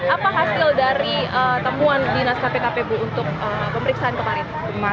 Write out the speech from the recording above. apa hasil dari temuan dinas kpkp bu untuk pemeriksaan kemarin